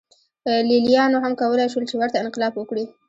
لېلیانو هم کولای شول چې ورته انقلاب وکړي